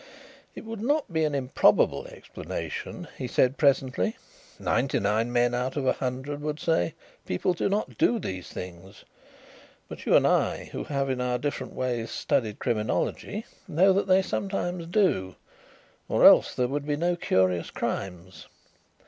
"It would not be an improbable explanation," he said presently. "Ninety nine men out of a hundred would say: 'People do not do these things.' But you and I, who have in our different ways studied criminology, know that they sometimes do, or else there would be no curious crimes.